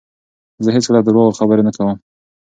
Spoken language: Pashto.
زه هیڅکله په درواغو خبرې نه کوم.